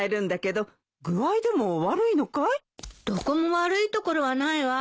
どこも悪いところはないわ。